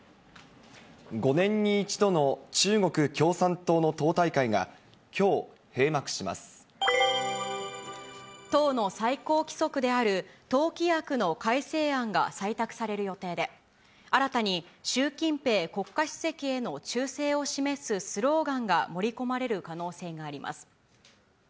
５年に１度の中国共産党の党党の最高規則である党規約の改正案が採択される予定で、新たに習近平国家主席への忠誠を示すスローガンが盛り込まれる可能性があります。